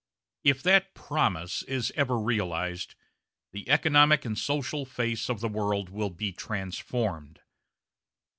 If that "promise" is ever realised, the economic and social face of the world will be transformed.